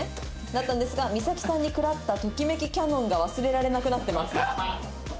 「だったんですが実咲さんに食らったときめきキャノンが忘れられなくなってます」